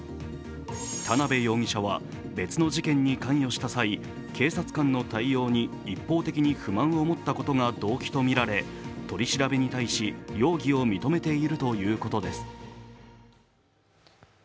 田辺容疑者は別の事件に関与した際、警察官の対応に一方的に不満を持ったことが動機とみられ、取り調べに対し容疑を認めているということです。